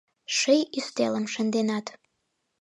Ший ӱстелым шынденат.